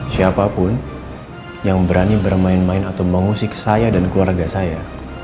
siapapun yang berani bermain main atau mengusik saya dan keluarga saya